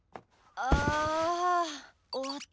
ああ。